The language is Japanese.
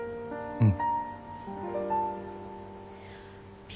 うん。